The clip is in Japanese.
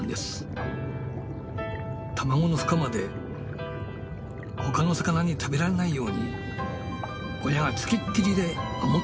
卵のふ化まで他の魚に食べられないように親が付きっきりで守っているんですよ。